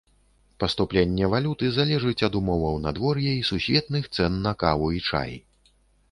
Паступленне валюты залежыць ад умоваў надвор'я і сусветных цэн на каву і чай.